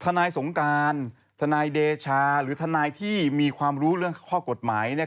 นายสงการทนายเดชาหรือทนายที่มีความรู้เรื่องข้อกฎหมาย